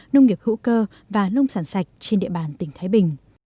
nông nghiệp hữu cơ và nông sản sạch trên địa bàn tỉnh thái bình